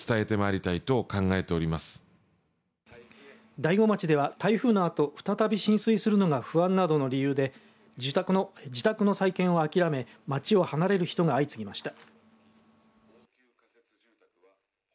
大子町では、台風のあと再び浸水するのが不安などの理由で自宅の再建をあきらめ町を離れる人が相次ぎました。